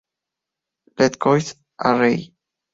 Les Côtes-d'Arey